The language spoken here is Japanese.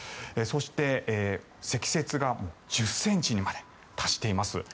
そして、積雪が１０ｃｍにまで達しています。